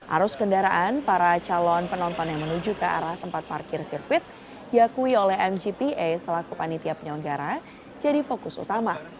arus kendaraan para calon penonton yang menuju ke arah tempat parkir sirkuit diakui oleh mgpa selaku panitia penyelenggara jadi fokus utama